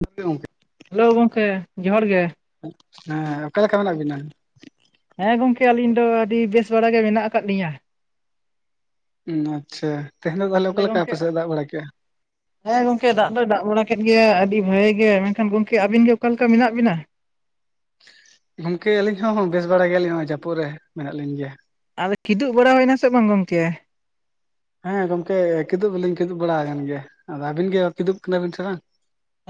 [unintelligible] ᱜᱮ ᱜᱚᱢᱠᱮ, ᱦᱮᱞᱳ ᱜᱚᱢᱠᱮ ᱡᱚᱦᱟᱨ ᱜᱮ! ᱦᱮᱸᱜ ᱮ ᱚᱠᱟ ᱞᱮᱠᱟ ᱢᱮᱱᱟᱜ ᱵᱤᱱᱟ? ᱦᱮᱸ ᱜᱚᱝᱠᱮ ᱟᱹᱞᱤᱧ ᱫᱚ ᱟᱹᱰᱤ ᱵᱮᱥ ᱵᱟᱲᱟ ᱜᱮ ᱢᱮᱱᱟᱜ ᱟᱠᱟᱫ ᱞᱤᱧᱟ᱾ ᱩᱸᱻᱟᱪᱪᱷᱟ ᱛᱮᱦᱮᱧ ᱫᱚᱜᱽᱞᱮ ᱚᱠᱟ ᱛᱟᱦᱚᱞᱮ ᱞᱮᱠᱟ ᱟᱯᱮ ᱜᱚᱝᱠᱮ ᱥᱮᱫ ᱫᱟᱜ ᱵᱟᱲᱟ ᱠᱮᱜᱼᱟ? ᱦᱮᱸ ᱜᱚᱝᱠᱮ ᱫᱟᱜ ᱫᱚᱭ ᱫᱟᱜ ᱵᱟᱲᱟ ᱠᱮᱫ ᱜᱮᱭᱟ ᱟᱹᱰᱤ ᱦᱮᱻᱜᱮ, ᱢᱮᱱᱠᱷᱟᱱ ᱜᱚᱢᱠᱮ ᱟᱹᱵᱤᱱ ᱜᱮ ᱚᱠᱟ ᱞᱮᱠᱟ ᱢᱮᱱᱟᱜ ᱵᱤᱱᱟ? ᱜᱚᱢᱠᱮ ᱟᱹᱞᱤᱧ ᱦᱚᱸ ᱵᱮᱥ ᱵᱟᱲᱟ ᱜᱮᱭᱟ ᱞᱤᱧ ᱱᱚᱜᱼᱚᱭ ᱡᱟᱹᱯᱩᱫ ᱨᱮ, ᱢᱮᱱᱟᱜ ᱞᱤᱧ ᱜᱮᱭᱟ᱾ ᱟᱫᱚ ᱠᱤᱫᱩᱜ ᱵᱟᱲᱟ ᱦᱩᱭᱮᱱᱟ ᱥᱮ ᱵᱟᱝᱼ ᱜᱚᱝᱠᱮ? ᱦᱮᱸ ᱜᱚᱝᱠᱮ ᱠᱤᱫᱩᱵ ᱫᱚᱞᱤᱧ ᱠᱤᱫᱩᱵ ᱵᱟᱲᱟ ᱟᱠᱟᱱ ᱜᱮᱭᱟ, ᱟᱫᱚ ᱟᱹᱵᱤᱱ ᱜᱮᱭᱚ ᱠᱤᱫᱩᱵ ᱟᱠᱟᱱᱟ ᱥᱮ ᱵᱟᱝ?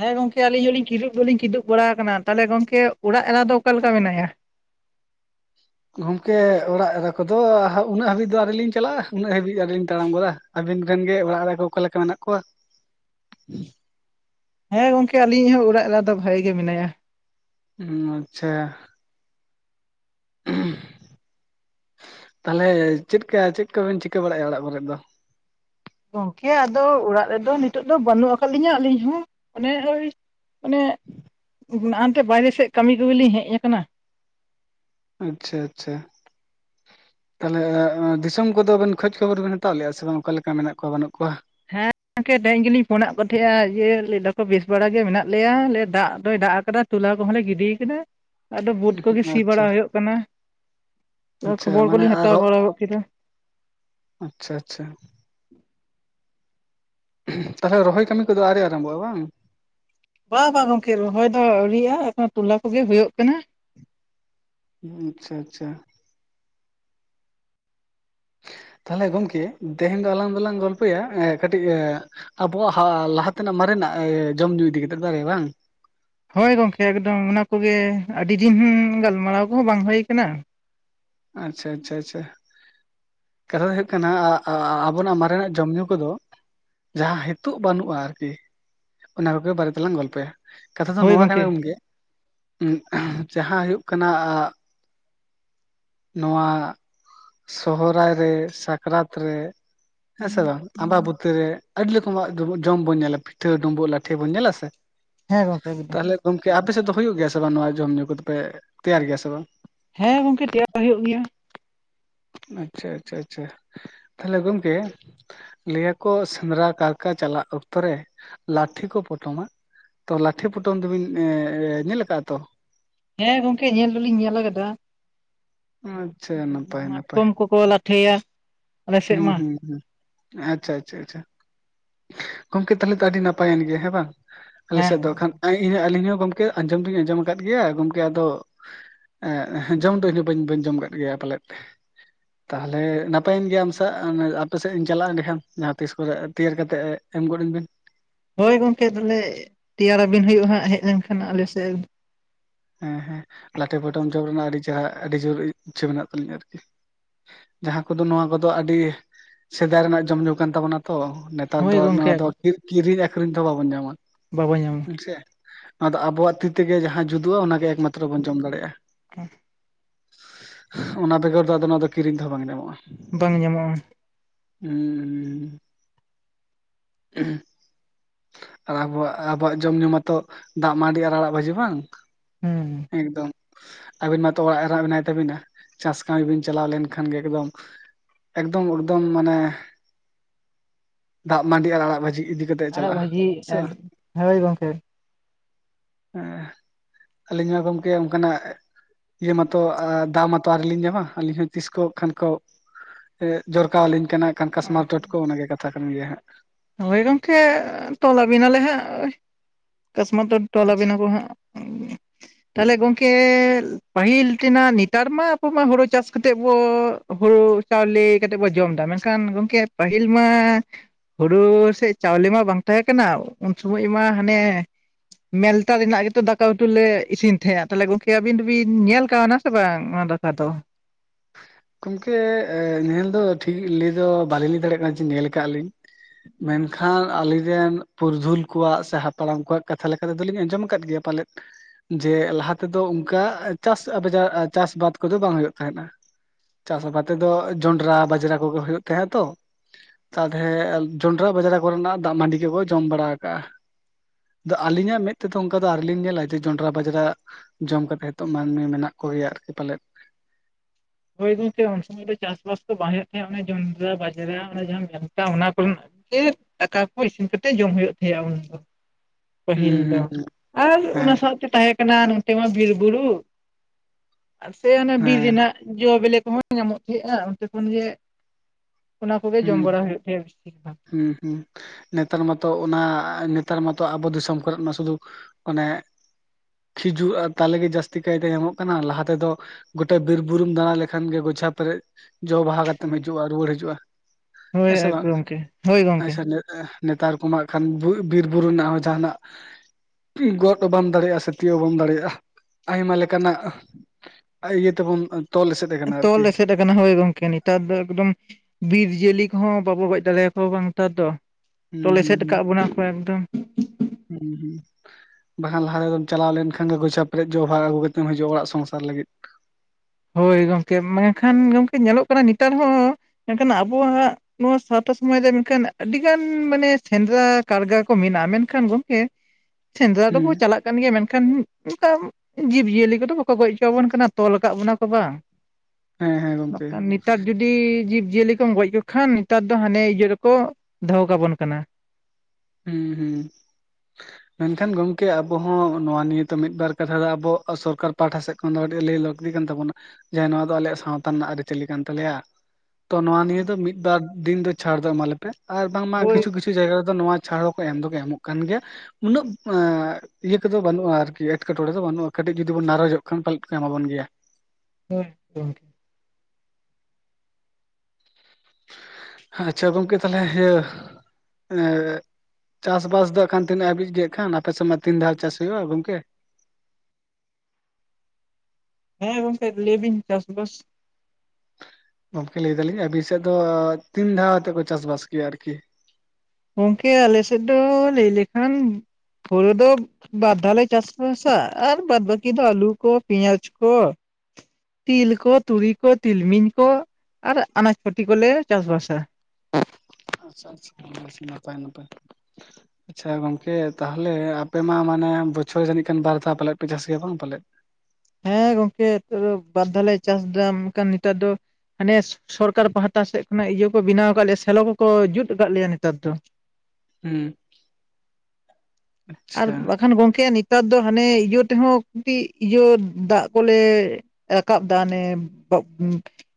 ᱦᱮᱸ ᱜᱚᱝᱠᱮ ᱟᱹᱞᱤᱧ ᱦᱚᱸᱞᱤᱧ ᱠᱤᱫᱩᱵ ᱫᱚᱹᱞᱤᱧ ᱠᱤᱫᱩᱵ ᱵᱟᱲᱟ ᱟᱠᱟᱱᱟ, ᱛᱟᱦᱚᱞᱮ ᱜᱚᱝᱠᱮ ᱚᱲᱟᱜ ᱮᱨᱟ ᱫᱚ ᱚᱠᱟ ᱞᱮᱠᱟ ᱢᱮᱱᱟᱭᱟ? ᱜᱷᱚᱢᱠᱮ ᱚᱲᱟᱜ ᱮᱨᱟ ᱠᱚᱫᱚ ᱚᱦᱚ ᱩᱱᱟᱹᱜ ᱦᱟᱹᱵᱤᱡ ᱫᱚ ᱟᱹᱣᱨᱤᱞᱤᱧ ᱪᱟᱞᱟᱜᱼᱟ, ᱩᱱᱟᱹᱜ ᱦᱟᱹᱵᱤᱡ ᱟᱣᱨᱤᱞᱤᱧ ᱛᱟᱲᱟᱢ ᱜᱚᱫᱟ᱾ ᱟᱹᱵᱤᱱ ᱵᱮᱱᱜᱮ ᱚᱲᱟᱜ ᱮᱨᱟ ᱠᱚ ᱚᱠᱟ ᱞᱮᱠᱟ ᱢᱮᱱᱟᱜ ᱠᱚᱣᱟ? ᱦᱮᱸ ᱜᱚᱝᱠᱮ ᱟᱹᱞᱤᱧᱤᱡ ᱦᱚᱸ ᱚᱲᱟᱜ ᱮᱨᱟ ᱫᱚ ᱵᱷᱟᱹᱜᱤ ᱜᱮ ᱢᱮᱱᱟᱭᱟ᱾ ᱩᱸ ᱟᱪᱪᱷᱟ! [inaudible] ᱛᱟᱦᱮᱞᱮ ᱪᱮᱫ ᱠᱚᱭᱟ ᱪᱮᱫ ᱠᱚᱵᱤᱱ ᱪᱤᱠᱟᱹ ᱵᱟᱲᱟᱭᱮᱫᱼᱟ ᱚᱲᱟᱜ ᱠᱚᱨᱮᱫ ᱫᱚ? ᱜᱚᱝᱠᱮ ᱟᱫᱚ ᱚᱲᱟᱜ ᱨᱮᱫᱚ ᱱᱤᱛᱚᱜ ᱫᱚ ᱵᱟᱹᱱᱩᱜ ᱟᱠᱟᱫ ᱞᱤᱧᱟᱹ ᱟᱹᱞᱤᱧ ᱦᱚᱸ, ᱚᱱᱮ ᱳᱭ ᱚᱱᱮ ᱱᱦᱟᱱᱛᱮ ᱵᱟᱭᱨᱮ ᱥᱮᱫ ᱠᱟᱹᱢᱤ ᱠᱚᱜᱮ ᱞᱤᱧ ᱦᱮᱡ ᱟᱠᱟᱱᱟ᱾ ᱟᱪᱪᱷᱟ ᱟᱪᱪᱷᱟ ᱛᱟᱦᱚᱞᱮ ᱫᱤᱥᱚᱢ ᱠᱚᱫᱚ ᱵᱮᱱ ᱠᱷᱚᱡᱽ ᱠᱷᱚᱵᱚᱨ ᱵᱮᱱ ᱦᱟᱛᱟᱣ ᱞᱮᱫ ᱟ ᱥᱮ ᱵᱟᱝ ᱚᱠᱟ ᱞᱮᱠᱟ ᱢᱮᱱᱟᱜ ᱠᱚᱣᱟ ᱵᱟᱹᱱᱩᱜ ᱠᱚᱣᱟ? ᱦᱮᱸ ᱜᱚᱝᱠᱮ ᱛᱮᱦᱮᱧ ᱜᱮᱞᱤᱧ ᱯᱷᱳᱱ ᱟᱫ ᱠᱚ ᱛᱟᱦᱮᱸᱟ ᱤᱭᱟᱹ ᱞᱟᱹᱭᱫᱟᱠᱚ ᱵᱮᱥ ᱵᱟᱲᱟ ᱜᱮ ᱢᱮᱱᱟᱜ ᱞᱮᱭᱟ ᱟᱞᱮ ᱫᱟᱜ ᱫᱚᱭ ᱫᱟᱜ ᱟᱠᱟᱫᱟ ᱛᱩᱞᱟ ᱠᱚᱦᱚᱸ ᱞᱮ ᱜᱤᱰᱤᱭ ᱠᱮᱫᱟ ᱟᱫᱚ ᱵᱩᱴ ᱠᱚᱜᱮ ᱥᱤ ᱵᱟᱲᱟ ᱟᱪᱪᱷᱟ ᱦᱩᱭᱩᱜ ᱠᱟᱱᱟ᱾ ᱟᱫᱚ ᱟᱪᱪᱷᱟ ᱠᱷᱚᱵᱚᱨ ᱢᱟᱱᱮ ᱠᱚᱞᱤᱧ ᱦᱟᱛᱟᱣ ᱟᱨᱚ ᱵᱟᱲᱟ ᱜᱚᱫ ᱠᱮᱫᱟ᱾ ᱟᱪᱪᱷᱟ ᱟᱪᱪᱷᱟ ᱛᱟᱦᱚᱞᱮ ᱨᱚᱦᱚᱭ ᱠᱟᱹᱢᱤ ᱠᱚᱫᱚ ᱟᱣᱨᱤ ᱟᱨᱟᱢᱵᱷᱚᱜ ᱟ ᱵᱟᱝ? ᱵᱟᱝ ᱵᱟᱝ ᱜᱚᱢᱠᱮ ᱨᱚᱦᱚᱭ ᱫᱚ ᱟᱣᱨᱤᱭᱟᱜ ᱟ ᱮᱠᱷᱚᱱ ᱴᱚᱞᱟ ᱠᱚᱜᱮ ᱦᱳᱭᱳᱜ ᱠᱟᱱᱟ᱾ ᱟᱪᱪᱷᱟ ᱟᱪᱪᱷᱟ ᱛᱟᱦᱞᱮ ᱜᱚᱝᱠᱮ ᱛᱮᱦᱮᱧ ᱫᱚ ᱟᱞᱟᱝ ᱫᱚᱞᱟᱝ ᱜᱚᱞᱯᱚᱭᱟ ᱠᱟᱹᱴᱤᱡ ᱟᱵᱚᱣᱟᱜ ᱦᱟ ᱞᱟᱦᱟᱛᱮᱱᱟᱜ ᱢᱟᱨᱮᱱᱟᱜ ᱡᱚᱢ ᱧᱩ ᱤᱫᱤ ᱠᱟᱛᱮᱜ ᱫᱚᱵᱮ ᱵᱟᱝ ᱦᱳᱭ ᱜᱚᱝᱠᱮ ᱮᱠᱫᱚᱢ ᱚᱱᱟ ᱠᱚᱜᱮ ᱟᱹᱰᱤ ᱫᱤᱱ ᱜᱟᱞᱢᱟᱨᱟᱣ ᱠᱚᱦᱚᱸ ᱵᱟᱝ ᱦᱩᱭ ᱟᱠᱟᱱᱟ ᱾ ᱟᱪᱪᱷᱟ ᱟᱪᱪᱷᱟ ᱟᱪᱪᱷᱟ ᱠᱟᱛᱷᱟ ᱫᱚ ᱦᱩᱭᱩᱜ ᱠᱟᱱᱟ ᱟᱵᱚᱱᱟᱜ ᱢᱟᱨᱮᱱᱟᱜ ᱡᱚᱢ ᱧᱩ ᱠᱚᱫᱚ ᱡᱟᱦᱟᱸ ᱦᱤᱛᱚᱜ ᱵᱟᱹᱱᱩᱜᱼᱟ ᱟᱨᱠᱤ ᱚᱱᱟ ᱠᱚᱜᱮ ᱵᱟᱨᱮ ᱛᱮᱞᱟᱝ ᱜᱚᱞᱯᱷᱚᱭᱟ ᱠᱟᱛᱷᱟ ᱫᱚ ᱱᱚᱣᱟ ᱠᱟᱱᱟ ᱜᱚᱝᱠᱮ ᱡᱟᱦᱟᱸ ᱦᱩᱭᱩᱜ ᱠᱟᱱᱟ ᱟᱜ ᱱᱚᱣᱟ ᱥᱚᱦᱚᱨᱟᱭ ᱨᱮ ᱥᱟᱠᱨᱟᱛ ᱨᱮ ᱦᱮᱸᱥᱮ ᱵᱟᱝ ᱛᱟᱢᱵᱟ ᱵᱩᱛᱤᱨ ᱨᱮ ᱟᱹᱰᱤ ᱨᱚᱠᱚᱢᱟᱜ ᱰᱩᱢᱵᱩᱜ ᱡᱚᱢ ᱵᱚᱱ ᱧᱮᱞᱟ ᱯᱤᱴᱷᱟᱹ ᱰᱩᱢᱵᱩᱜ ᱞᱟᱴᱷᱮ ᱵᱚᱱ ᱧᱮᱞᱟ ᱥᱮ ᱦᱮᱸ ᱜᱚᱝᱠᱮ ᱮᱠᱫᱚᱢ ᱛᱟᱦᱚᱞᱮ ᱜᱚᱝᱠᱮ ᱟᱯᱮᱥᱮᱫ ᱫᱚ ᱦᱩᱭᱩᱜ ᱜᱮᱭᱟ ᱥᱮ ᱵᱟᱝ ᱱᱚᱣᱟ ᱡᱚᱢ ᱧᱩ ᱠᱚᱫᱚᱯᱮ ᱛᱮᱭᱟᱨ ᱜᱮᱭᱟ ᱥᱮ ᱵᱟᱝ? ᱦᱮᱸ ᱜᱚᱝᱠᱮ ᱛᱮᱭᱟᱨ ᱦᱩᱭᱩᱜ ᱜᱮᱭᱟ ᱟᱪᱪᱷᱟ ᱟᱪᱪᱷᱟ ᱟᱪᱪᱷᱟ ᱛᱟᱦᱞᱮ ᱜᱚᱝᱠᱮ ᱞᱟᱹᱭᱟᱠᱚ ᱥᱮᱸᱫᱽᱨᱟ ᱠᱟᱨᱠᱟ ᱪᱟᱞᱟᱜ ᱚᱠᱛᱚᱨᱮ ᱞᱟᱴᱷᱮ ᱠᱚ ᱯᱚᱴᱚᱢᱟ ᱛᱚ ᱞᱟᱴᱷᱮ ᱯᱚᱴᱚᱢ ᱫᱚᱵᱤᱱ ᱮᱸ ᱧᱮᱞ ᱟᱠᱟᱫ ᱟ ᱛᱚ? ᱦᱮᱸ ᱜᱚᱝᱠᱮ ᱧᱮᱞ ᱫᱚᱞᱤᱧ ᱧᱮᱞ ᱟᱠᱟᱫᱟ ᱟᱪᱪᱷᱟ ᱱᱟᱯᱟᱭ ᱱᱟᱯᱟᱭ ᱢᱟᱛᱠᱚᱢ ᱠᱚ ᱠᱚ ᱞᱟᱴᱷᱮᱭᱟ᱾ ᱟᱞᱮ ᱥᱮᱫ ᱦᱩᱸ ᱢᱟ ᱦᱩᱸ ᱦᱩᱸ ᱟᱪᱪᱷᱟ ᱟᱪᱪᱷᱟ ᱟᱪᱪᱷᱟ ᱜᱚᱝᱠᱮ ᱛᱟᱦᱞᱮ ᱫᱚ ᱟᱹᱰᱤ ᱱᱟᱯᱟᱭᱮᱱ ᱜᱮᱭᱟ ᱦᱮᱸ ᱵᱟᱝ ᱟᱞᱮ ᱥᱮᱫ ᱦᱮᱸ ᱫᱚ ᱟᱠᱟᱱ ᱤᱧᱟᱜ ᱟᱹᱞᱤᱧ ᱦᱚᱸ ᱜᱚᱝᱠᱮ ᱟᱸᱡᱚᱢ ᱫᱚᱧ ᱟᱸᱡᱚᱢ ᱟᱠᱟᱫ ᱜᱮᱭᱟ ᱜᱚᱝᱠᱮ ᱟᱫᱚ ᱡᱚᱢ ᱫᱚ ᱤᱧ ᱦᱚᱸ ᱵᱟᱹᱧ ᱵᱟᱹᱧ ᱡᱚᱢ ᱠᱟᱜ ᱜᱮᱭᱟ ᱯᱟᱞᱮᱫ ᱛᱟᱦᱞᱮ ᱱᱟᱯᱟᱭᱮᱱ ᱜᱮᱭᱟᱢ ᱥᱮ ᱨᱟᱜ ᱟᱱᱮᱞ ᱟᱯᱮᱥᱮᱫ ᱤᱧ ᱪᱟᱞᱟᱜ ᱦᱟᱜ ᱡᱟᱦᱟᱸ ᱛᱤᱥ ᱠᱚᱨᱮ ᱛᱮᱭᱟᱨ ᱠᱟᱛᱮᱫ ᱮᱢ ᱜᱚᱫ ᱟᱹᱧ ᱵᱤᱱ ᱦᱳᱭ ᱜᱚᱢᱠᱮ ᱛᱟᱦᱞᱮ ᱛᱮᱭᱟᱨ ᱟᱵᱤᱱ ᱦᱩᱭᱩᱜᱼᱟ ᱦᱟᱸᱜ ᱦᱮᱡ ᱞᱮᱱᱠᱷᱟᱱ ᱟᱞᱮᱥᱮᱫ ᱦᱮᱸ ᱦᱮᱸ ᱞᱟᱴᱷᱮ ᱯᱚᱴᱚᱢ ᱡᱚᱢ ᱨᱮᱱᱟᱜ ᱟᱹᱰᱤ ᱡᱟᱦᱟᱸ ᱟᱹᱰᱤ ᱡᱳᱨ ᱤᱪᱪᱷᱟᱹ ᱢᱮᱱᱟᱜ ᱛᱟᱹᱞᱤᱧᱟ ᱟᱨᱠᱤ ᱡᱟᱦᱟᱸ ᱠᱚᱫᱚ ᱱᱚᱣᱟ ᱠᱚᱫᱚ ᱟᱹᱰᱤ ᱥᱮᱫᱟᱭ ᱨᱮᱱᱟᱜ ᱡᱚᱢ ᱧᱩ ᱠᱟᱱ ᱛᱟᱵᱚᱱᱟ ᱛᱚ ᱱᱮᱛᱟᱨ ᱦᱳᱭ ᱫᱚ ᱱᱚᱣᱟ ᱜᱚᱝᱠᱮ ᱫᱚ ᱠᱤᱨᱤᱧ ᱟᱠᱷᱨᱤᱧ ᱫᱚ ᱵᱟᱵᱚᱱ ᱧᱟᱢᱟ ᱵᱟᱵᱚ ᱧᱟᱢᱟ᱾ ᱦᱮᱸᱪᱮ ᱱᱚᱣᱟ ᱫᱚ ᱟᱵᱚᱣᱟᱜ ᱛᱤ ᱛᱮᱜᱮ ᱡᱟᱦᱟᱸ ᱡᱩᱫᱩᱜ ᱟ ᱚᱱᱟᱜᱮ ᱮᱠᱢᱟᱛᱨᱚ ᱵᱚᱱ ᱡᱚᱢ ᱫᱟᱲᱮᱭᱟᱜ ᱟ᱾ ᱟᱸ ᱚᱱᱟ ᱵᱮᱜᱚᱨ ᱫᱚ ᱟᱫᱚ ᱱᱚᱣᱟ ᱫᱚ ᱠᱤᱨᱤᱧ ᱛᱮᱦᱚᱸ ᱵᱟᱝ ᱧᱟᱢᱚᱜ ᱟ᱾ ᱵᱟᱝ ᱧᱟᱢᱚᱜ ᱟ᱾ ᱩᱸᱻᱩᱸᱻ ᱟᱨ ᱟᱵᱚᱣᱟᱜ ᱟᱵᱚᱣᱟᱜ ᱡᱚᱢ ᱧᱩ ᱢᱟᱛᱚ ᱫᱟᱜ ᱴᱟᱹᱱᱰᱤ ᱟᱨ ᱟᱲᱟᱜ ᱵᱷᱟᱹᱡᱤ ᱵᱟᱝ ᱦᱩᱸ ᱮᱠᱫᱚᱢ ᱟᱹᱵᱤᱱ ᱢᱟᱛᱚ ᱚᱲᱟᱜ ᱮᱨᱟ ᱢᱮᱱᱟᱭ ᱛᱟᱹᱵᱤᱱᱟ ᱪᱟᱥ ᱠᱟᱹᱢᱤ ᱵᱤᱱ ᱪᱟᱞᱟᱣ ᱞᱮᱱᱠᱷᱟᱱ ᱜᱮ ᱮᱠᱫᱚᱢ ᱮᱠᱫᱚᱢ ᱮᱠᱫᱚᱢ ᱢᱟᱱᱮ ᱫᱟᱜ ᱢᱟᱹᱱᱰᱤ ᱟᱨ ᱟᱲᱟᱜ ᱵᱷᱟᱹᱡᱤ ᱤᱫᱤ ᱠᱟᱛᱮᱜ ᱟᱲᱟᱜ ᱪᱟᱞᱟᱜᱼᱟ ᱵᱟᱹᱡᱷᱤ ᱥᱮ ᱵᱟᱝ ᱮᱫᱟᱭ ᱦᱳᱭ ᱜᱚᱝᱠᱮ ᱟᱸᱜ ᱮᱸ ᱟᱹᱞᱤᱧ ᱢᱟ ᱜᱚᱝᱠᱮ ᱚᱱᱠᱟᱱᱟᱜ ᱤᱭᱟᱹ ᱢᱟᱛᱚ ᱫᱟᱣ ᱢᱟᱛᱚ ᱟᱣᱨᱤ ᱞᱤᱧ ᱧᱟᱢᱟ ᱟᱹᱞᱤᱧ ᱦᱚᱸ ᱛᱤᱥ ᱠᱚ ᱠᱷᱟᱱ ᱠᱚᱼᱼ ᱡᱚᱨᱠᱟᱣᱟᱞᱤᱧ ᱠᱟᱱᱟ ᱦᱟᱜᱠᱷᱟᱱ ᱠᱟᱥᱢᱟᱨ ᱴᱚᱴᱠᱚ ᱚᱱᱟ ᱜᱮ ᱠᱟᱛᱷᱟ ᱠᱟᱱ ᱜᱮᱭᱟ ᱦᱟᱸᱜ᱾ ᱦᱳᱭ ᱜᱚᱢᱠᱮ ᱛᱚᱞᱟᱵᱤᱱᱟᱞᱮ ᱦᱟᱸᱜ ᱠᱟᱥᱢᱟᱨ ᱴᱚᱴᱠᱚ ᱛᱚᱞ ᱟᱪᱪᱷᱟ ᱟᱵᱤᱱᱟ ᱠᱚ ᱦᱟᱸᱜ᱾ [inaudible] ᱛᱟᱦᱚᱞᱮ ᱜᱚᱝᱠᱮ ᱯᱟᱹᱦᱤᱞ ᱨᱮᱱᱟᱜ ᱱᱤᱛᱟᱨ ᱢᱟ ᱟᱵᱚ ᱢᱟ ᱦᱩᱲᱩ ᱪᱟᱥ ᱠᱟᱛᱮᱜ ᱵᱚᱼᱼ ᱦᱩᱲᱩ ᱪᱟᱣᱞᱮ ᱠᱟᱛᱮᱜ ᱵᱚ ᱡᱚᱢ ᱮᱫᱟ, ᱢᱮᱱᱠᱷᱟᱱ ᱜᱚᱝᱠᱮ ᱯᱟᱹᱦᱤᱞ ᱢᱟᱼᱼ ᱦᱩᱲᱩ ᱥᱮᱡ ᱪᱟᱣᱞᱮ ᱢᱟ ᱵᱟᱝ ᱛᱟᱦᱮᱸ ᱠᱟᱱᱟ, ᱩᱱ ᱥᱚᱢᱚᱭ ᱢᱟ ᱦᱟᱱᱮᱼᱼ ᱢᱮᱞᱛᱟ ᱨᱮᱱᱟᱜ ᱜᱮᱛᱚ ᱫᱟᱠᱟ ᱩᱛᱩ ᱞᱮ ᱤᱥᱤᱱ ᱛᱟᱦᱮᱸᱜᱼᱟ ᱛᱟᱦᱚᱞᱮ ᱜᱚᱝᱠᱮ ᱟᱵᱤᱱ ᱫᱚᱵᱤᱱ ᱧᱮᱞ ᱠᱟᱣᱱᱟ? ᱵᱟᱝ ᱚᱱᱟ ᱫᱟᱠᱟ ᱫᱚ᱾ ᱜᱚᱝᱠᱮ ᱧᱮᱞ ᱫᱚ ᱴᱷᱤᱠ ᱞᱟᱹᱭ ᱫᱚ ᱵᱟᱞᱤᱧ ᱞᱟᱹᱭ ᱫᱟᱲᱮᱭᱟᱜ ᱠᱟᱱᱟ ᱡᱮ ᱧᱮᱞ ᱟᱠᱟᱫ ᱞᱤᱧ᱾ ᱢᱮᱱᱠᱷᱟᱱ ᱟᱞᱤᱧ ᱨᱮᱱ ᱯᱩᱨᱩᱫᱷᱩᱞ ᱠᱚᱣᱟᱜ ᱥᱮ ᱦᱟᱯᱲᱟᱢ ᱠᱚᱣᱟᱜ ᱠᱟᱛᱷᱟ ᱞᱮᱠᱟ ᱛᱮᱫᱚᱞᱤᱧ ᱟᱸᱡᱚᱢ ᱟᱠᱟᱫ ᱜᱮᱭᱟ᱾ ᱯᱟᱞᱮᱫ ᱡᱮ ᱞᱟᱦᱟ ᱛᱮᱫᱚ ᱚᱱᱠᱟ ᱪᱟᱥ ᱟᱵᱡᱟ ᱪᱟᱥ ᱵᱟᱫ ᱠᱚᱫᱚ ᱵᱟᱝ ᱦᱩᱭᱩᱜ ᱛᱟᱦᱮᱸᱫᱱᱟ᱾ ᱪᱟᱥ ᱟᱵᱟᱫ ᱛᱮᱫᱚ ᱡᱚᱱᱰᱨᱟ ᱵᱟᱡᱽᱨᱟ ᱠᱚᱜᱮ ᱦᱳᱭᱳᱜ ᱛᱟᱦᱮᱸᱜᱼᱟ ᱛᱚ᱾ ᱛᱟᱦᱚᱞᱮ ᱡᱚᱱᱰᱨᱟ ᱵᱟᱡᱲᱟ ᱠᱚ ᱨᱮᱱᱟᱜ ᱫᱟᱜᱽ ᱢᱟᱺᱰᱤ ᱠᱚᱠᱚ ᱡᱚᱢ ᱵᱟᱲᱟ ᱟᱠᱟᱜᱼᱟ᱾ ᱟᱫᱚ ᱟᱞᱤᱧᱟᱜ ᱢᱮᱫ ᱛᱮᱫᱚ ᱚᱱᱠᱟ ᱟᱨᱤ ᱞᱤᱧ ᱧᱮᱞᱟ ᱡᱮ ᱡᱚᱱᱰᱨᱟ ᱵᱟᱡᱽᱨᱟ, ᱡᱚᱢ ᱠᱟᱛᱮᱜ ᱱᱤᱛᱚᱜ ᱢᱟᱹᱱᱢᱤ ᱢᱮᱱᱟᱜ ᱠᱚᱜᱮᱭᱟ ᱟᱨᱠᱤ ᱯᱟᱞᱮᱫ᱾ ᱦᱳᱭ ᱜᱚᱝᱠᱮ ᱩᱱᱥᱚᱢᱚᱭ ᱫᱚ ᱪᱟᱥᱵᱟᱥ ᱫᱚ ᱵᱟᱝ ᱦᱩᱭᱩᱜ ᱛᱟᱦᱮᱸᱜ᱾ ᱚᱱᱮ ᱡᱚᱱᱰᱨᱟ ᱵᱟᱡᱨᱟ ᱡᱟᱦᱟᱸ ᱢᱮᱱᱠᱟ ᱚᱱᱟ ᱠᱚ ᱨᱮᱱᱟᱜ᱾ ᱮ ᱫᱟᱠᱟ ᱠᱚ ᱤᱥᱤᱱ ᱠᱟᱛᱮᱫ ᱡᱚᱢ ᱦᱩᱭᱩᱜ ᱛᱟᱦᱮᱸᱜᱼ ᱩᱱ ᱫᱚ᱾ ᱯᱟᱹᱦᱤᱞ ᱦᱩᱸ ᱫᱚ, ᱦᱩᱸ ᱟᱨ ᱚᱱᱟ ᱦᱮᱸ ᱥᱟᱶᱛᱮ ᱛᱟᱦᱮᱸ ᱠᱟᱱᱟ ᱱᱚᱛᱮ ᱢᱟ ᱵᱤᱨᱼᱵᱩᱨᱩ᱾ ᱥᱮ ᱤᱱᱟ ᱵᱤᱨ ᱦᱮᱸ ᱨᱮᱱᱟᱜ ᱡᱚ ᱵᱤᱞᱤ ᱠᱚᱦᱚᱸ ᱧᱟᱢᱚᱜ ᱛᱟᱦᱮᱸᱼᱟ, ᱚᱱᱛᱮ ᱠᱷᱚᱱ ᱜᱮ ᱚᱱᱟ ᱠᱚᱜᱮ ᱡᱚᱢ ᱦᱩᱸ ᱵᱟᱲᱟ ᱦᱳᱭᱳᱜ ᱛᱟᱦᱮᱜ ᱵᱤᱥᱤᱨ ᱵᱷᱟᱜᱽ᱾ ᱦᱩᱸ ᱦᱩᱸ, ᱱᱮᱛᱟᱨ ᱢᱟᱛᱚ ᱚᱱᱟ ᱱᱮᱛᱟᱨ ᱢᱟᱛᱚ ᱟᱵᱚ ᱫᱤᱥᱚᱢ ᱠᱚᱨᱮᱫ ᱢᱟ ᱚᱱᱟ ᱥᱩᱫᱩ ᱟᱱᱮ, ᱠᱷᱤᱡᱩ ᱟᱨ ᱛᱟᱞᱮ ᱜᱮ ᱡᱟᱹᱥᱛᱤ ᱠᱟᱭᱛᱮ ᱧᱟᱢᱚᱜ ᱠᱟᱱᱟ᱾ ᱞᱟᱦᱟ ᱛᱮᱫᱚ, ᱜᱚᱴᱟ ᱵᱤᱨ ᱵᱩᱨᱩᱢ ᱫᱟᱬᱟᱸ ᱞᱮᱠᱷᱟᱱ ᱜᱮ ᱜᱚᱪᱷᱟ ᱯᱮᱨᱮᱡ ᱡᱚ ᱵᱟᱦᱟ ᱠᱟᱛᱮᱢ ᱦᱤᱡᱩᱜᱼᱟ ᱨᱩᱣᱟᱹᱲ ᱦᱤᱡᱩᱜᱼᱟ᱾ ᱦᱳᱭ ᱦᱮᱸ ᱥᱮ ᱵᱟᱝ ᱮᱜᱫᱚᱢᱛᱮ ᱦᱳᱭ ᱜᱚᱝᱠᱮ᱾ ᱟᱪᱪᱷᱟ ᱱᱮᱛᱟᱨ ᱠᱚ ᱢᱟᱜ ᱠᱷᱟᱱ ᱵᱤᱨᱵᱩᱨᱩ ᱨᱮᱱᱟᱜ ᱦᱚᱸ ᱡᱟᱦᱟᱱᱟᱜ, ᱜᱚᱫ ᱦᱚᱸ ᱵᱟᱢ ᱫᱟᱲᱮᱭᱟᱜᱼᱟ, ᱥᱮ ᱛᱤᱭᱳᱜ ᱦᱚᱸ ᱵᱟᱢ ᱫᱟᱲᱮᱭᱟᱜᱼᱟ᱾ ᱟᱭᱢᱟ ᱞᱮᱠᱟᱱᱟᱜ ᱟᱨ ᱤᱭᱟᱹ ᱛᱟᱵᱚᱱ, ᱛᱚᱞ ᱮᱥᱮᱫ ᱟᱠᱟᱱᱟ, ᱦᱳᱭ ᱜᱚᱝᱠᱮ ᱱᱮᱛᱟᱨ ᱫᱚ ᱮᱠᱫᱚᱢ, ᱵᱤᱨ ᱡᱤᱭᱟᱹᱞᱤ ᱠᱚᱦᱚᱸ ᱵᱟᱵᱚ ᱜᱚᱭᱡ ᱫᱟᱲᱮᱭᱟ ᱠᱚᱣᱟ ᱵᱟᱝ ᱱᱮᱛᱟᱨ ᱫᱚ᱾ ᱦᱩᱸ ᱛᱚᱞ ᱮᱥᱮᱫ ᱦᱩᱸ ᱟᱠᱟᱫ ᱵᱚᱱᱟ ᱠᱚ ᱮᱠᱫᱚᱢ ᱦᱩᱸ, ᱦᱩᱸ ᱦᱩᱸ᱾ ᱵᱟᱠᱷᱟᱱ ᱞᱟᱦᱟ ᱨᱮᱫᱚᱢ ᱪᱟᱞᱟᱣ ᱞᱮᱱᱠᱷᱟᱱ ᱜᱮ ᱜᱚᱪᱷᱟ ᱯᱨᱮᱡ ᱡᱚᱜ ᱵᱟᱦᱟ ᱟᱹᱜᱩ ᱠᱟᱛᱮᱢ ᱦᱤᱡᱩᱜᱼᱟ ᱚᱲᱟᱜ ᱥᱚᱝᱥᱟᱨ ᱞᱟᱹᱜᱤᱫ᱾ ᱦᱳᱭ ᱜᱚᱝᱠᱮ ᱢᱮᱱᱠᱷᱟᱱ ᱜᱚᱝᱠᱮ ᱧᱮᱞᱚᱜ ᱠᱟᱱᱟ ᱱᱮᱛᱟᱨ ᱦᱚᱸ ᱢᱮᱱᱠᱷᱟᱱ ᱟᱵᱚᱣᱟᱜ ᱱᱚᱣᱟ ᱥᱟᱶᱛᱟ ᱥᱚᱢᱟᱡ ᱨᱮ ᱢᱮᱱᱠᱷᱟᱱ ᱟᱹᱰᱤᱜᱟᱱ ᱢᱟᱱᱮ ᱥᱮᱸᱫᱽᱨᱟ ᱠᱟᱨᱜᱟᱨ ᱠᱚ ᱢᱮᱱᱟᱜᱼᱟ᱾ ᱢᱮᱱᱠᱷᱟᱱ ᱜᱚᱝᱠᱮ, [inaudible] ᱥᱮᱸᱫᱽᱨᱟ ᱫᱚᱵᱚ ᱪᱟᱞᱟᱜ ᱠᱟᱱ ᱜᱮᱭᱟ, ᱢᱮᱱᱠᱷᱟᱱ ᱚᱱᱠᱟᱱ ᱡᱤᱵᱽᱼᱡᱤᱭᱟᱹᱞᱤ ᱠᱚᱫᱚ ᱵᱟᱠᱚ ᱜᱚᱭᱡ ᱦᱚᱪᱚᱣᱟᱵᱚᱱ ᱠᱟᱱᱟ᱾ ᱛᱚᱞ ᱟᱠᱟᱫ ᱵᱚᱱᱟ ᱠᱚ ᱵᱟᱝ᱾ ᱦᱮᱸ ᱦᱮᱸ ᱜᱚᱝᱠᱮ ᱵᱟᱠᱟᱱ ᱱᱮᱛᱟᱨ ᱡᱩᱫᱤ ᱫᱤ ᱡᱤᱵᱽ ᱡᱤᱭᱟᱹᱞᱤ ᱠᱚᱢ ᱜᱚᱭᱡ ᱠᱚ ᱠᱷᱟᱱ ᱱᱮᱛᱟᱨ ᱫᱚ ᱦᱟᱱᱮ ᱤᱭᱟᱹ ᱨᱮᱠᱚ ᱫᱚᱦᱚ ᱠᱟᱵᱚᱱ ᱠᱟᱱᱟ᱾ ᱦᱩᱸ ᱦᱩᱸ, ᱢᱮᱱᱠᱷᱟᱱ ᱜᱚᱝᱠᱮ ᱟᱵᱚ ᱦᱚᱸ ᱱᱚᱣᱟ ᱱᱤᱭᱟᱹ ᱛᱚ ᱢᱤᱫ ᱵᱟᱨ ᱠᱟᱛᱷᱟ ᱫᱚ ᱟᱵᱚ ᱥᱚᱨᱠᱟᱨ ᱯᱟᱦᱥᱴᱟ ᱥᱮᱜ, ᱠᱷᱚᱱ ᱫᱚ ᱟᱹᱰᱤ ᱞᱟᱹᱭ ᱞᱟᱹᱠᱛᱤ ᱠᱟᱱ ᱛᱟᱵᱚᱱᱟ᱾ ᱡᱮ ᱱᱚᱣᱟ ᱫᱚ ᱟᱞᱮᱭᱟᱜ ᱥᱟᱶᱛᱟ ᱨᱮᱱᱟᱜ ᱟᱹᱨᱤᱪᱟᱹᱞᱤ ᱠᱟᱱ ᱛᱟᱞᱮᱭᱟ᱾ ᱛᱚ ᱱᱚᱣᱟ ᱱᱤᱭᱟᱹ ᱫᱚ ᱢᱤᱫ ᱵᱟᱨ ᱫᱤᱱ ᱫᱚ ᱪᱷᱟᱲ ᱫᱚ ᱮᱢᱟᱞᱮᱯᱮ᱾ ᱟᱨ ᱵᱟᱝᱢᱟ ᱦᱳᱭ ᱠᱤᱪᱷᱩ ᱠᱤᱪᱷᱩ ᱡᱟᱭᱜᱟ ᱨᱮᱫᱚ ᱱᱚᱣᱟ, ᱪᱷᱟᱲ ᱦᱚᱸᱠᱚ ᱮᱢ ᱫᱚᱠᱚ ᱮᱢᱚᱜ ᱠᱟᱱ ᱜᱮᱭᱟ᱾ ᱩᱱᱟᱹᱜ ᱮᱻ ᱤᱭᱟᱹ ᱠᱚᱫᱚ ᱵᱟᱱᱩᱜᱼᱟ ᱟᱨᱠᱤ ᱮᱴᱠᱮᱴᱚᱬᱮ ᱫᱚ ᱵᱟᱹᱱᱩᱜᱼᱟ᱾ ᱠᱟᱹᱴᱤᱜ ᱡᱩᱫᱤ ᱵᱚᱱ ᱱᱟᱨᱚᱡᱚᱜ ᱠᱷᱟᱱ ᱯᱟᱞ ᱠᱚ ᱮᱢᱟᱵᱚᱱ ᱜᱮᱭᱟ᱾ ᱦᱮᱸ ᱜᱚᱝᱠᱮ᱾ ᱟᱪᱪᱷᱟ ᱜᱚᱝᱠᱮ ᱛᱟᱦᱚᱞᱮ ᱤᱭᱟᱹ ᱮ, ᱪᱟᱥᱵᱟᱥ ᱫᱚ ᱟᱠᱷᱟᱱ ᱛᱤᱱᱟᱹᱜ ᱦᱟᱹᱵᱤᱡ ᱜᱮ ᱟᱠᱷᱟᱱ ᱟᱯᱮ ᱥᱮᱱ ᱢᱟ ᱛᱤᱱ ᱫᱷᱟᱣ ᱪᱟᱥ ᱦᱩᱭᱩᱜᱼᱟ ᱜᱚᱝᱠᱮ᱾ ᱦᱮᱸ ᱜᱚᱝᱠᱮ ᱞᱟᱹᱭ ᱵᱤᱱ ᱪᱟᱥᱵᱟᱥ ᱜᱚᱝᱠᱮ ᱞᱟᱹᱭ ᱫᱟᱞᱤᱧ ᱟᱵᱤᱱ ᱥᱮᱫ ᱫᱚ ᱛᱤᱱ ᱫᱷᱟᱣ ᱛᱮ ᱠᱚ ᱪᱟᱥᱵᱟᱥ ᱜᱮᱭᱟ ᱟᱨᱠᱤ᱾ ᱜᱚᱝᱠᱮ ᱟᱞᱮ ᱥᱮᱫ ᱫᱚ ᱞᱟᱹᱭ ᱞᱮᱠᱷᱟᱱ, ᱦᱳᱲᱳ ᱫᱚ ᱵᱟᱨ ᱫᱷᱟᱣ ᱞᱮ ᱪᱟᱥ ᱵᱟᱟᱥᱟ᱾ ᱟᱨ ᱵᱟᱫ ᱵᱟᱹᱠᱤ ᱫᱚ ᱟᱹᱞᱩ, ᱠᱚ ᱯᱮᱭᱟᱡ ᱠᱚ, ᱛᱤᱞ ᱠᱚ, ᱛᱩᱲᱤ ᱠᱚ, ᱛᱤᱞᱢᱤᱧ ᱠᱚ, ᱟᱨ ᱟᱱᱟᱡᱽ ᱯᱟᱛᱤ ᱠᱚᱞᱮ ᱪᱟᱥ ᱵᱟᱥᱟ᱾ ᱟᱪᱪᱷᱟ ᱟᱪᱪᱷᱟ, ᱱᱟᱯᱟᱭ ᱱᱟᱯᱟᱭ᱾ ᱟᱪᱪᱷᱟ ᱜᱚᱝᱠᱮ ᱛᱟᱦᱚᱞᱮ ᱟᱯᱮ ᱢᱟ ᱢᱟᱱᱮ ᱵᱚᱪᱷᱚᱨ ᱨᱮ ᱡᱟᱹᱱᱤᱡ ᱠᱷᱟᱱ ᱵᱟᱨ ᱫᱷᱟᱣ ᱯᱟᱞᱮᱫ ᱯᱮ ᱪᱟᱥ ᱜᱮᱭᱟ ᱵᱟᱝ ᱯᱟᱞᱮᱫ? ᱦᱮᱸ ᱜᱚᱝᱠᱮ ᱛᱚ ᱵᱟᱨ ᱫᱷᱟᱣ ᱞᱮ ᱪᱟᱥ ᱫᱟ, ᱢᱮᱱᱠᱷᱟᱱ ᱱᱮᱛᱟᱨ ᱫᱚ ᱦᱟᱱᱮ ᱥᱚᱨᱠᱟᱨ ᱯᱟᱦᱟᱴᱟ ᱥᱮᱜ ᱠᱷᱚᱱᱟᱜ ᱤᱭᱟᱹ ᱠᱚ ᱵᱮᱱᱟᱣ ᱟᱠᱟᱫ ᱞᱮᱭᱟ ᱥᱮᱞᱚ ᱠᱚᱠᱚ ᱡᱩᱫ ᱟᱠᱟᱫ ᱞᱮᱭᱟ ᱱᱮᱛᱟᱨ ᱫᱚ᱾ ᱦᱩᱸ, ᱟᱨ ᱟᱪᱪᱷᱟ ᱵᱟᱠᱷᱟᱱ ᱜᱚᱝᱠᱮ ᱱᱮᱛᱟᱨ ᱫᱚ, ᱦᱟᱱᱮ ᱤᱭᱟᱹ ᱛᱮᱦᱚᱸ ᱠᱟᱹᱴᱤᱡ ᱤᱭᱟᱹ ᱫᱟᱜ ᱠᱚᱞᱮ ᱨᱟᱠᱟᱵ ᱮᱫᱟ ᱚᱱᱮ,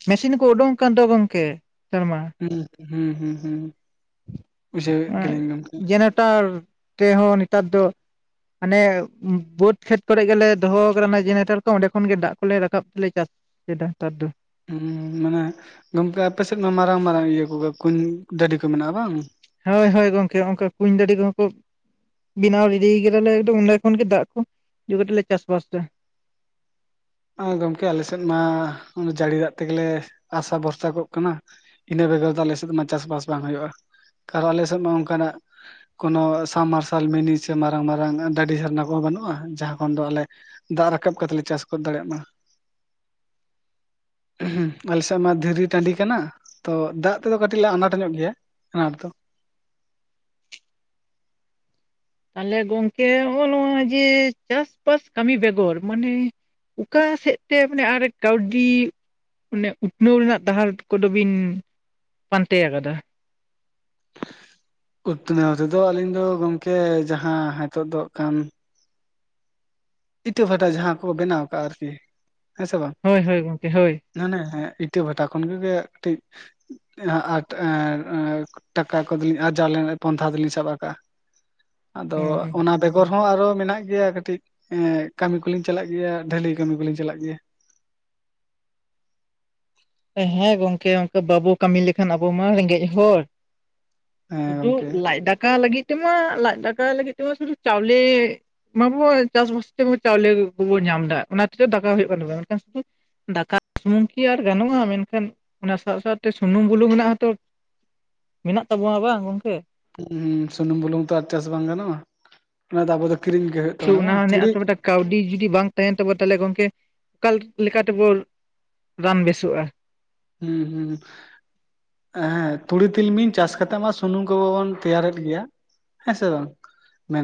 ᱢᱮᱥᱤᱱ ᱠᱚ ᱳᱰᱳᱝ ᱠᱟᱱ ᱫᱚ ᱜᱚᱝᱠᱮ ᱱᱮᱛᱟᱨ ᱢᱟ? ᱦᱩᱸ ᱦᱩᱸ ᱦᱩᱸ ᱦᱩᱸ᱾ ᱵᱩᱡᱷᱟᱹᱣᱮᱫ ᱜᱮᱞᱤᱧ ᱜᱚᱝᱠᱮ ᱡᱮᱱᱟᱴᱟᱨ ᱛᱮᱦᱚᱸ ᱱᱮᱛᱟᱨ ᱫᱚᱼᱼ ᱦᱟᱱᱮ ᱵᱟᱹᱫ ᱠᱷᱮᱛ ᱠᱚᱨᱮ ᱜᱮᱞᱮ ᱫᱚᱦᱚ ᱟᱠᱟᱫᱟ ᱡᱮᱱᱟᱴᱟᱨ ᱠᱚ, ᱚᱸᱰᱮ ᱠᱷᱚᱱ ᱜᱮ ᱫᱟᱜ ᱠᱚᱞᱮ ᱨᱟᱠᱟᱵ ᱛᱮᱞᱮ ᱪᱟᱥᱼᱼ ᱮᱫᱟ ᱦᱮᱛᱟᱨ ᱫᱚ᱾ ᱦᱩᱸ ᱢᱟᱱᱮ ᱜᱚᱢᱠᱮ ᱟᱯᱮ ᱥᱮᱫ ᱢᱟ ᱢᱟᱨᱟᱝ ᱢᱟᱨᱟᱝ ᱤᱭᱟᱹ ᱠᱚᱜᱮ ᱠᱩᱧ ᱰᱟᱹᱰᱤ ᱠᱚ ᱢᱮᱱᱟᱜᱼᱟ ᱵᱟᱝ? ᱦᱳᱭ ᱦᱳᱭ ᱜᱚᱢᱠᱮ, ᱚᱱᱠᱟ ᱠᱩᱧ ᱫᱟᱹᱰᱤ ᱠᱚᱦᱚᱸ ᱠᱚ ᱵᱮᱱᱟᱣ ᱨᱮᱰᱤ ᱠᱮᱫᱟᱞᱮ ᱟᱫᱚ ᱚᱸᱰᱮ ᱠᱷᱚᱱ ᱜᱮ ᱫᱟᱜ ᱠᱚ [unintelligible] ᱠᱟᱛᱮ ᱞᱮ ᱪᱟᱥ ᱵᱟᱥ ᱫᱟ᱾ ᱟᱨ ᱜᱚᱢᱠᱮ ᱟᱞᱮ ᱥᱮᱫ ᱢᱟ ᱡᱟᱹᱲᱤ ᱫᱟᱜ ᱛᱮᱜᱮ ᱞᱮ ᱟᱥᱟ ᱵᱷᱚᱨᱥᱟ ᱠᱚᱜ ᱠᱟᱱᱟ᱾ ᱤᱱᱟᱹ ᱵᱮᱜᱚᱨ ᱫᱚ ᱟᱞᱮ ᱥᱮᱫ ᱢᱟ ᱪᱟᱥᱵᱟᱥ ᱵᱟᱝ ᱦᱩᱭᱩᱜᱼᱟ, ᱠᱟᱨᱚᱱ ᱟᱞᱮ ᱥᱮᱫ ᱢᱟ ᱚᱱᱠᱟᱱᱟᱜᱼᱼ ᱠᱳᱱᱚ ᱥᱟᱢ ᱢᱟᱨᱥᱟᱞ ᱢᱤᱱᱤ ᱥᱮ ᱢᱟᱨᱟᱝ ᱢᱟᱨᱟᱝ ᱰᱟᱹᱰᱤ ᱡᱷᱟᱨᱱᱟ ᱠᱚᱦᱚᱸ ᱵᱟᱹᱱᱩᱜᱼᱟ ᱡᱟᱦᱟᱸ ᱠᱷᱚᱱ ᱫᱚ ᱟᱞᱮᱼᱼ ᱫᱟᱜ ᱨᱟᱠᱟᱵ ᱠᱟᱛᱮ ᱞᱮ ᱪᱟᱥ ᱜᱚᱫ ᱫᱟᱲᱮᱭᱟᱜ ᱢᱟ᱾ [unintelligible] ᱟᱞᱮ ᱥᱮᱫ ᱢᱟ ᱫᱷᱤᱨᱤ ᱴᱟᱺᱰᱤ ᱠᱟᱱᱟ᱾ ᱛᱚ ᱫᱟᱜ ᱛᱮᱫᱚ ᱠᱟᱹᱴᱤᱡ ᱞᱮ ᱟᱱᱟᱴ ᱧᱚᱜ ᱜᱮᱭᱟ, ᱟᱱᱟᱴ ᱫᱚ᱾ ᱛᱟᱦᱚᱞᱮ ᱜᱚᱝᱠᱮ ᱦᱚᱜᱼᱚ ᱱᱚᱣᱟ ᱡᱮ ᱪᱟᱥᱵᱟᱥ ᱠᱟᱹᱢᱤ ᱵᱮᱜᱚᱨ ᱢᱟᱱᱮᱼᱼ ᱚᱠᱟ ᱥᱮᱫ ᱛᱮ ᱢᱟᱱᱮ ᱟᱨ ᱠᱟᱹᱣᱰᱤᱼᱼ ᱚᱱᱮ ᱩᱛᱱᱟᱹᱣ ᱨᱮᱱᱟᱜ ᱰᱟᱦᱟᱨ ᱠᱚᱫᱚ ᱵᱤᱱ ᱯᱟᱱᱛᱮ ᱟᱠᱟᱫᱟ᱾ ᱩᱛᱱᱟᱹᱣ ᱛᱮᱫᱚ ᱟᱞᱤᱧ ᱫᱚ ᱜᱚᱝᱠᱮ ᱡᱟᱦᱟᱸ ᱦᱮᱛᱚᱜ ᱫᱚ ᱦᱟᱜ ᱠᱷᱟᱱᱼᱼ ᱤᱴᱟᱹ ᱵᱷᱟᱴᱟ ᱡᱟᱦᱟᱸ ᱠᱚ ᱵᱮᱱᱟᱣ ᱠᱟᱜᱼᱟ ᱟᱨᱠᱤ, ᱦᱮᱸ ᱥᱮ ᱵᱟᱝᱼᱼ ᱦᱳᱭ ᱦᱳᱭ ᱜᱚᱢᱠᱮ ᱦᱳᱭ᱾ ᱢᱟᱱᱮᱸ ᱤᱴᱟᱹ ᱵᱷᱟᱴᱟ ᱠᱷᱚᱱ ᱜᱮ ᱜᱮ ᱠᱟᱹᱴᱤᱡᱼᱼ [unintelligible] ᱴᱟᱠᱟ ᱠᱚᱫᱚ ᱞᱤᱧ ᱟᱨᱡᱟᱣ ᱞᱮᱱᱟ ᱯᱚᱱᱫᱷᱟ ᱫᱚᱞᱤᱧ ᱥᱟᱵ ᱟᱠᱟᱜᱼᱟ᱾ ᱟᱫᱚ ᱚᱱᱟ ᱵᱮᱜᱚᱨ ᱦᱚᱸ ᱟᱨᱚ ᱢᱮᱱᱟᱜ ᱜᱮᱭᱟ ᱠᱟᱹᱴᱤᱡᱼᱼ ᱮᱦ ᱠᱟᱹᱢᱤ ᱠᱚᱞᱤᱧ ᱪᱟᱞᱟᱜ ᱜᱮᱭᱟ, ᱰᱷᱟᱹᱞᱟᱹᱭ ᱠᱟᱹᱢᱤ ᱠᱚ ᱞᱤᱧ ᱪᱟᱞᱟᱜ ᱜᱮᱭᱟ᱾ ᱦᱮᱸ ᱜᱚᱢᱠᱮ ᱚᱱᱠᱟ ᱵᱟᱵᱚ ᱠᱟᱹᱢᱤ ᱞᱮᱠᱷᱟᱱ ᱟᱵᱚ ᱢᱟ ᱨᱮᱸᱜᱮᱡ ᱦᱚᱲ᱾ ᱦᱮᱸ ᱥᱩᱫᱷᱩ ᱜᱚᱝᱠᱮ ᱞᱟᱡ ᱫᱟᱠᱟ ᱞᱟᱹᱜᱤᱫ ᱛᱮᱢᱟ ᱞᱟᱡ ᱫᱟᱠᱟ ᱞᱟᱹᱜᱤᱫ ᱛᱮᱢᱟ ᱥᱩᱫᱷᱩ ᱪᱟᱣᱞᱮᱼᱼ ᱢᱟᱵᱚ ᱪᱟᱥᱵᱟᱥ ᱛᱟᱢᱟ ᱪᱟᱣᱞᱮ ᱠᱚᱵᱚᱱ ᱧᱟᱢ ᱮᱫᱟ ᱚᱱᱟ ᱛᱮᱫᱚ ᱫᱟᱠᱟ ᱦᱩᱭᱩᱜ ᱠᱟᱱ ᱛᱟᱵᱱᱟ, ᱢᱮᱱᱠᱷᱟᱱ ᱥᱩᱫᱩᱼᱼ ᱫᱟᱠᱟ ᱥᱩᱢᱩᱝ ᱠᱤ ᱟᱨ ᱜᱟᱱᱚᱜᱼᱟ, ᱢᱮᱱᱠᱷᱟᱱ ᱚᱱᱟ ᱥᱟᱶ ᱥᱟᱶᱛᱮ ᱥᱩᱱᱩᱢ ᱵᱩᱞᱩᱝ ᱨᱮᱱᱟᱜ ᱦᱚᱸᱛᱚᱼᱼ ᱢᱮᱱᱟᱜ ᱛᱟᱵᱚᱱᱟ ᱵᱟᱝ ᱜᱚᱢᱠᱮ? [unintelligible] ᱥᱩᱱᱩᱢ ᱵᱩᱞᱩᱝ ᱛᱚ ᱟᱨ ᱪᱟᱥ ᱵᱟᱝ ᱜᱟᱱᱚᱜᱼᱟ, ᱚᱱᱟ ᱫᱚ ᱟᱵᱚ ᱫᱚ ᱠᱤᱨᱤᱧ ᱜᱮ ᱼᱼ [unintelligible] ᱠᱟᱹᱣᱰᱤ ᱡᱩᱫᱤ ᱵᱟᱝ ᱛᱟᱦᱮᱱ ᱛᱟᱵᱚ ᱛᱟᱦᱚᱞᱮ ᱜᱚᱢᱠᱮ, ᱚᱠᱟ ᱞᱮᱠᱟ ᱛᱮᱵᱚ ᱨᱟᱱ ᱵᱮᱥᱚᱜᱼᱟ? ᱦᱩᱸ ᱦᱩᱸ᱾ ᱦᱮᱸ ᱛᱩᱲᱤ ᱛᱤᱞᱢᱤᱧ ᱪᱟᱥ ᱠᱟᱛᱮᱜ ᱢᱟ ᱥᱩᱱᱩᱢ ᱠᱚ ᱵᱚᱱ ᱛᱮᱭᱟᱨᱮᱫ ᱜᱮᱭᱟ᱾ ᱦᱮᱸ ᱥᱮ ᱵᱟᱝ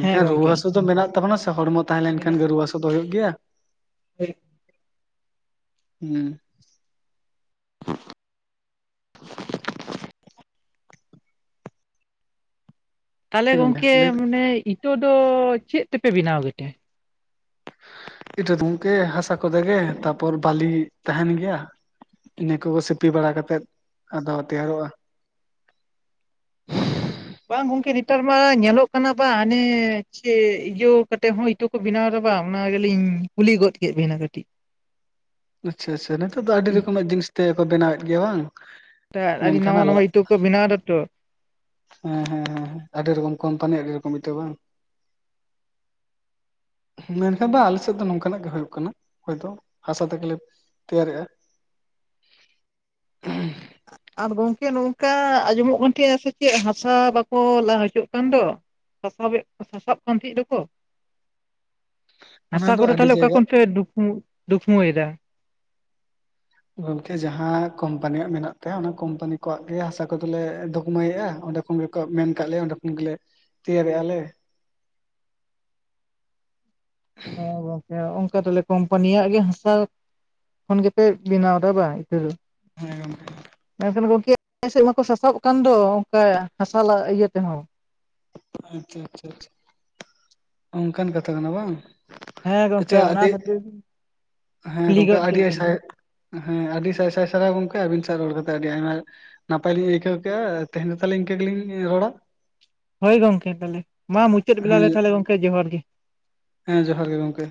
ᱦᱮᱸ ᱨᱩᱣᱟᱹ ᱜᱚᱝᱠᱮ ᱦᱟᱹᱥᱩ ᱫᱚ ᱢᱮᱱᱟᱜ ᱛᱟᱵᱚᱱᱟ ᱥᱮ ᱦᱚᱲᱢᱚ ᱛᱟᱦᱮᱸ ᱞᱮᱱᱠᱷᱟᱱ ᱢᱮᱱᱟᱜ ᱜᱮ ᱨᱩᱣᱟᱹ ᱦᱟᱹᱥᱩ ᱫᱚ ᱦᱩᱭᱩᱜ ᱜᱮᱭᱟ᱾ [unintelligible] ᱦᱩᱸ᱾ ᱛᱟᱦᱚᱞᱮ ᱦᱮᱸ ᱜᱚᱝᱠᱮ ᱜᱚᱢᱠᱮ ᱞᱟᱹᱭ ᱵᱤᱱ ᱢᱟᱱᱮ ᱤᱴᱳ ᱫᱚ ᱪᱮᱫ ᱛᱮᱯᱮ ᱵᱤᱱᱟᱣ ᱜᱮᱛᱮ? ᱤᱴᱟᱹ ᱫᱚ ᱜᱚᱢᱠᱮ ᱦᱟᱥᱟ ᱠᱚᱛᱮ ᱜᱮ ᱛᱟᱯᱚᱨ ᱵᱟᱞᱤ ᱛᱟᱦᱮᱱ ᱜᱮᱭᱟ᱾ ᱤᱱᱟᱹ ᱠᱚ ᱜᱮ ᱥᱤᱯᱤ ᱵᱟᱲᱟ ᱠᱟᱛᱮᱜ, ᱟᱫᱚ ᱛᱮᱭᱟᱨᱚᱜᱼᱟ᱾ ᱵᱟᱝ ᱜᱚᱝᱠᱮ ᱱᱮᱛᱟᱨ ᱢᱟ ᱧᱮᱞᱚᱜ ᱠᱟᱱᱟ, ᱵᱟᱝ ᱦᱟᱱᱮ ᱪᱮ ᱤᱭᱟᱹ ᱠᱟᱛᱮ ᱦᱚᱸ ᱤᱴᱳ ᱠᱚ ᱵᱮᱱᱟᱣ ᱫᱟ ᱵᱟᱝ ᱚᱱᱟ ᱜᱮᱞᱤᱧ ᱠᱩᱞᱤ ᱜᱚᱫ ᱠᱮᱫ ᱵᱤᱱᱟ ᱠᱟᱹᱴᱤᱡ ᱟᱪᱪᱷᱟ ᱼ ᱟᱪᱪᱷᱟ ᱱᱤᱛᱚᱜ ᱫᱚ ᱟᱹᱰᱤ ᱨᱚᱠᱚᱢᱟᱼᱜ ᱡᱤᱱᱤᱥ ᱛᱮᱠᱚ ᱵᱮᱱᱟᱣᱮᱫ ᱜᱮᱭᱟ ᱵᱟᱝ [unintelligible] ᱟᱹᱰᱤ ᱢᱮᱱᱠᱷᱟᱱ ᱱᱟᱣᱟ ᱟᱞᱮ ᱱᱟᱣᱟ ᱤᱴᱟᱹ ᱠᱚ ᱵᱮᱱᱟᱣ ᱫᱟ ᱛᱚ᱾ ᱦᱮᱸ- ᱦᱮᱸ- ᱦᱮᱸ ᱟᱹᱰᱤ ᱨᱚᱠᱚᱢ ᱠᱳᱢᱯᱟᱱᱤ ᱟᱹᱰᱤ ᱨᱚᱠᱚᱢ ᱤᱴᱟᱹ ᱵᱟᱝ᱾ ᱢᱮᱱᱠᱷᱟᱱ ᱵᱟ ᱟᱞᱮᱥᱮᱫ ᱫᱚ ᱱᱚᱝᱠᱟᱱᱟᱼᱜ ᱜᱮ ᱦᱳ ᱠᱟᱱᱟ ᱦᱳᱭᱛᱳ ᱦᱟᱥᱟ ᱛᱮᱜᱮᱞᱮ ᱛᱮᱭᱟᱨᱮᱜᱼᱟ᱾ ᱟᱨ ᱜᱚᱝᱠᱮ ᱱᱚᱝᱠᱟ ᱟᱸᱡᱚᱢᱚᱼᱜ ᱠᱟᱱ ᱛᱟᱦᱮᱸᱼᱟ ᱥᱮ ᱪᱮᱫ ᱦᱟᱥᱟ ᱵᱟᱠᱚ ᱞᱟ ᱦᱚᱪᱚᱜ ᱠᱟᱱ ᱫᱚ ᱥᱟᱥᱟᱵᱮᱫ ᱠᱚ ᱥᱟᱥᱟᱵ ᱠᱟᱱ ᱛᱟᱦᱮᱸᱜ ᱠᱟᱱ ᱫᱚᱠᱚ᱾ [inaudible] ᱚᱱᱟ ᱦᱟᱥᱟ ᱫᱚ ᱠᱚ-ᱫᱚ ᱟᱹᱰᱤ ᱛᱟᱦᱚᱞᱮ ᱚᱠᱟ ᱡᱟᱭᱜᱟ ᱠᱷᱚᱱ ᱯᱮ ᱫᱩᱠᱷᱢᱟᱹᱭᱫᱟ? ᱜᱚᱝᱠᱮ ᱡᱟᱦᱟᱸ ᱠᱚᱢᱯᱟᱱᱤᱭᱟᱼᱜ ᱢᱮᱱᱟᱜ ᱛᱟᱭᱟ ᱚᱱᱟ ᱠᱚᱢᱯᱟᱱᱤ ᱠᱚᱣᱟᱜ ᱜᱮ ᱦᱟᱥᱟ ᱠᱚᱫᱚ ᱞᱮ ᱫᱩᱠᱢᱟᱹᱭᱮᱫᱼᱟ ᱚᱸᱰᱮ ᱡᱚᱠᱷᱚᱱ ᱜᱮᱠᱚ ᱢᱮᱱ ᱠᱟᱜ ᱞᱮᱭᱟ ᱚᱸᱰᱮ ᱠᱷᱚᱱ ᱜᱮᱞᱮ ᱛᱮᱭᱟᱨᱚᱜᱼᱟ ᱞᱮ᱾ ᱦᱮᱸ ᱜᱚᱝᱠᱮ ᱚᱱᱠᱟ ᱛᱟᱦᱚᱞᱮ ᱠᱳᱢᱯᱟᱱᱤᱭᱟᱼᱜ ᱜᱮ ᱦᱟᱥᱟᱭ ᱠᱷᱚᱱ ᱜᱮᱯᱮ ᱵᱮᱱᱟᱣ ᱮᱫᱟ ᱵᱟᱝ ᱤᱴᱟᱹ ᱫᱚ ᱦᱮᱸ ᱜᱚᱢᱠᱮ ᱢᱮᱱᱠᱷᱟᱱ ᱜᱚᱝᱠᱮ ᱟᱞᱮ ᱥᱮᱫ ᱢᱟᱠᱚ ᱥᱟᱥᱟᱵ ᱠᱟᱱ ᱫᱚ ᱚᱱᱠᱟ ᱦᱟᱥᱟ ᱞᱟ ᱤᱭᱟᱹ ᱛᱮᱦᱚᱸ᱾ ᱟᱪᱪᱷᱟ - ᱟᱪᱪᱷᱟ ᱪᱪᱟ ᱚᱱᱠᱟᱱ ᱠᱟᱛᱷᱟ ᱠᱟᱱᱟ ᱵᱟᱝ᱾ ᱦᱮᱸ ᱟᱪᱪᱷᱟ ᱜᱚᱝᱠᱮ ᱚᱱᱟ ᱟᱹᱰᱤ ᱠᱷᱟᱹᱛᱤᱨ ᱦᱮᱸ ᱠᱩᱞᱤ ᱜᱚᱢᱠᱮ ᱜᱚᱫ ᱟᱹᱰᱤ ᱠᱮᱫ ᱟᱭ ᱦᱮᱸ ᱵᱤᱱᱟ ᱥᱟᱭ ᱦᱮᱸ ᱟᱹᱰᱤ ᱥᱟᱭ ᱥᱟᱭ ᱥᱟᱨᱦᱟᱣ ᱜᱚᱝᱠᱮ ᱟᱵᱤᱱ ᱥᱟᱶ ᱨᱚᱲ ᱠᱟᱛᱮ ᱟᱹᱰᱤ ᱟᱭᱢᱟ ᱱᱟᱯᱟᱭ ᱞᱤᱧ ᱟᱹᱭᱠᱟᱹᱣ ᱠᱮᱜᱼᱟ, ᱛᱮᱦᱮᱧ ᱫᱚ ᱛᱟᱦᱚᱞᱮ ᱤᱱᱠᱟᱹ ᱜᱮᱞᱤᱧ ᱨᱚᱲᱟ᱾ ᱦᱳᱭ ᱜᱚᱝᱠᱮ ᱛᱟᱦᱚᱞᱮ ᱢᱟ ᱢᱩᱪᱟᱹᱫ ᱵᱮᱞᱟ ᱦᱮᱸ ᱞᱮ ᱛᱟᱦᱚᱞᱮ ᱜᱚᱝᱠᱮ ᱡᱚᱦᱟᱨ ᱜᱮ᱾ ᱦᱮᱸ ᱡᱚᱦᱟᱨ ᱜᱮ ᱜᱚᱝᱠᱮ᱾